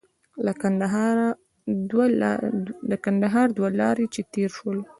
له کندهار دوه لارې چې تېر شولو.